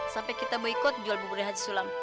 sampai kita boikot jual buburnya haji sulam